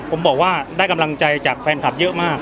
ผมบอกว่าได้กำลังใจจากแฟนคลับเยอะมาก